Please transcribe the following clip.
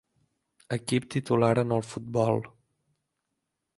Equip titular en el futbol.